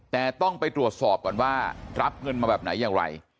แต่ต้องไปตรวจสอบก่อนว่ารับเงินมาแบบไหนอย่างไร